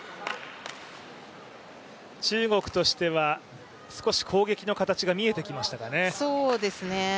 中国としては少し攻撃の形が見えてきましたかね。